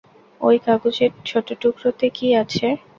ওই কাগজের ছোট টুকরোতে কী আছে?